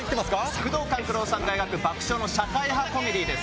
宮藤官九郎さんが描く爆笑の社会派コメディーです。